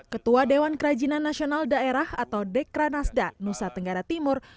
ketua dewan kerajinan nasional daerah atau dekranasda nusa tenggara timur